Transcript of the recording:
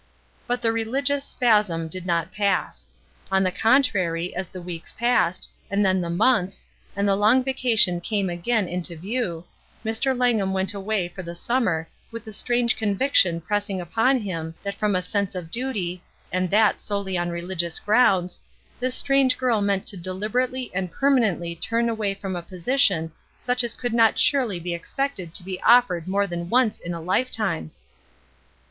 But the "religious spasm" did not pass. On the contrary, as the weeks passed, and then the months, and the long vacation came again into view, Mr. Langham went away for the summer with the strange conviction pressing upon him that from a sense of duty, and that solely on rehgious grounds, this strange girl meant to deliberately and permanently turn away from a position such as could not surely be expected to be offered more than once in a lifetime